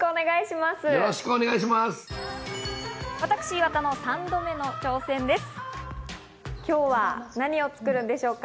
私、岩田の３度目の挑戦です。